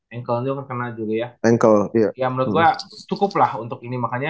yang menurut gue cukup lah untuk dr yang yang ini makanya